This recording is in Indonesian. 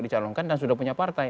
dicalonkan dan sudah punya partai